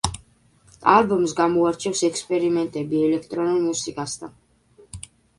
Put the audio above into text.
ალბომს გამოარჩევს ექსპერიმენტები ელექტრონულ მუსიკასთან.